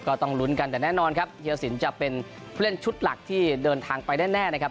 ก็ต้องลุ้นกันแต่แน่นอนครับเยียสินจะเป็นผู้เล่นชุดหลักที่เดินทางไปแน่นะครับ